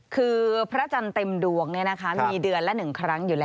คือพระจันทร์เต็มดวงมีเดือนละ๑ครั้งอยู่แล้ว